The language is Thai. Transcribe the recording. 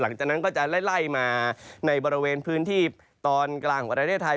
หลังจากนั้นก็จะไล่มาในบริเวณพื้นที่ตอนกลางของประเทศไทย